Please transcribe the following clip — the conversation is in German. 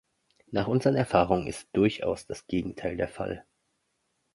Nach unseren Erfahrungen ist durchaus das Gegenteil der Fall.